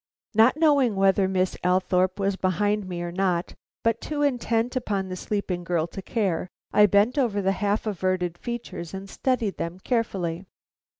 Not knowing whether Miss Althorpe was behind me or not, but too intent upon the sleeping girl to care, I bent over the half averted features and studied them carefully.